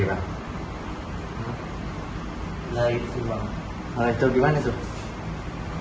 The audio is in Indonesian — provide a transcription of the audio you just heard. nah itu gimana tuh